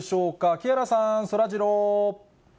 木原さん、そらジロー。